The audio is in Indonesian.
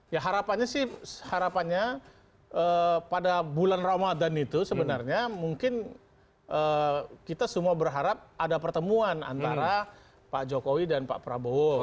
ya harapannya sih harapannya pada bulan ramadan itu sebenarnya mungkin kita semua berharap ada pertemuan antara pak jokowi dan pak prabowo